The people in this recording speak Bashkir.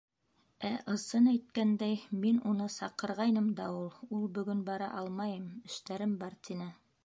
- Ә, ысын әйткәндәй, мин уны саҡырғайным да, ул бөгөн бара алмайым, эштәрем бар, тине.